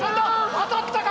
当たったか？